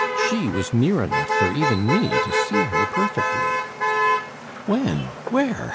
"She was near enough for even me to see her perfectly." "When? Where?